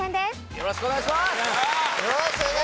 よろしくお願いします！